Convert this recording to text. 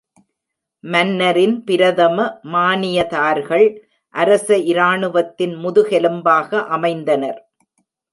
மன்னரின் பிரதம மானியதார்கள் அரச இராணுவத்தின் முதுகெலும்பாக அமைந்தனர்.